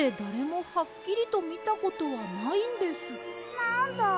なんだ。